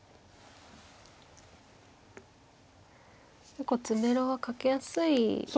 結構詰めろはかけやすいですか。